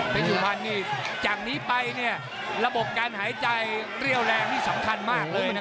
เป็นสุพรรณนี่จากนี้ไปเนี่ยระบบการหายใจเรี่ยวแรงนี่สำคัญมากเลยนะครับ